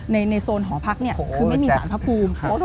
ในโซนหอพักเนี่ยคือไม่มีสารพระภูมิ